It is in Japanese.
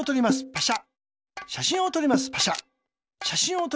パシャ。